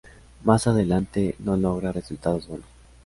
Más adelante, no logra resultados buenos.